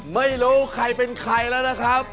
ไม่รู้ใครเป็นใครแล้วนะครับ